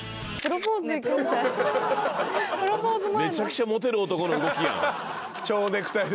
めちゃくちゃモテる男の動きやん。